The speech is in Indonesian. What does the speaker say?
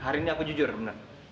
hari ini aku jujur benar